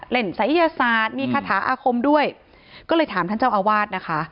ศัยยศาสตร์มีคาถาอาคมด้วยก็เลยถามท่านเจ้าอาวาสนะคะ